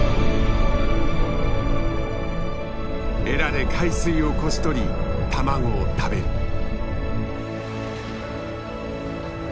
エラで海水をこし取り卵を食べる。